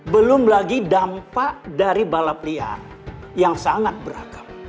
belum lagi dampak dari balap liar yang sangat beragam